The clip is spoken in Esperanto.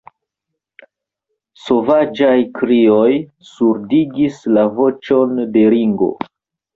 Sovaĝaj krioj surdigis la voĉon de Ringo.